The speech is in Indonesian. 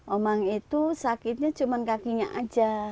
omang itu sakitnya cuma kakinya aja